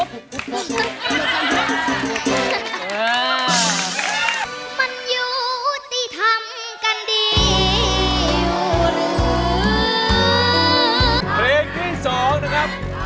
เพลงที่๒นะครับ